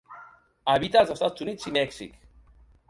Habita als Estats Units i Mèxic.